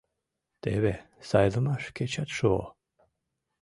Теве сайлымаш кечат шуо.